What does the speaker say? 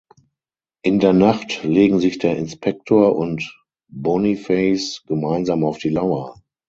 In der Nacht legen sich der Inspektor und Boniface gemeinsam auf die Lauer.